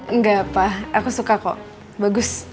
enggak pak aku suka kok bagus